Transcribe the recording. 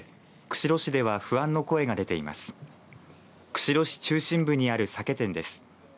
釧路市中心部にある酒店です。